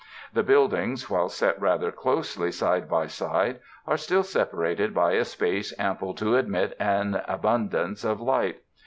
The buildings, while set rather closely side by side, are still sepa rated by a space ample to admit an abundance of light.